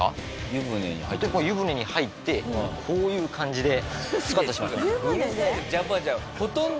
湯船に入ってこういう感じでスクワットしますね。